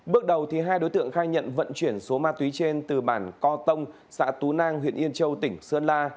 bước đầu hai đối tượng khai nhận vận chuyển số ma túy trên từ bản co tông xã tú nang huyện yên châu tỉnh sơn la